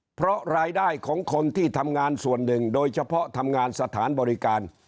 เพราะรายได้ของคนที่ทำงานส่วนหนึ่งโดยเฉพาะทำงานสถานบริการ